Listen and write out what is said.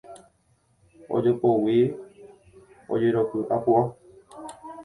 Ojopógui ojeroky apuʼa.